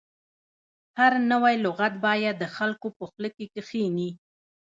هر نوی لغت باید د خلکو په خوله کې کښیني.